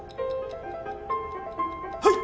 はい！